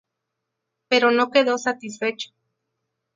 Pero no quedó satisfecho.